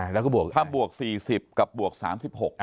แล้วก็บวกถ้าบวก๔๐กับบวก๓๖